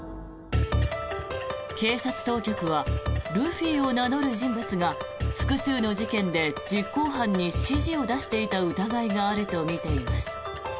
警察当局はルフィを名乗る人物が複数の事件で実行犯に指示を出していた疑いがあるとみています。